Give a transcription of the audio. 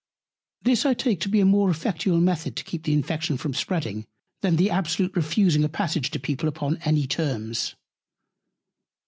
This I take to be a more effectual Method to keep the Infection from spreading, than the absolute refusing a Passage to People upon any Terms.